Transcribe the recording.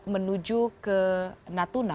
menuju ke natuna